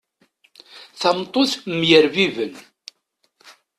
Tameṭṭut mm yerbiben.